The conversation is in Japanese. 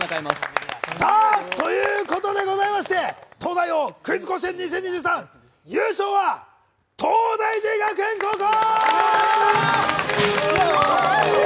ということでございまして、東大王クイズ甲子園２０２３優勝は東大寺学園高校！